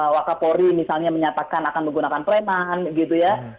wakaf polri misalnya menyatakan akan menggunakan preman gitu ya